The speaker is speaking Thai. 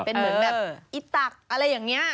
เป็นเหมือนแบบอีตักอะไรอย่างนี้